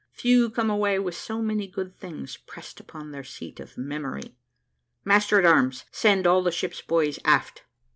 Few come away with so many good things pressed upon their seat of memory. Master at arms, send all the ship's boys aft."